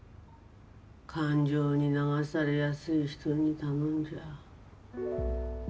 感情に流されやすい人に頼んじゃ。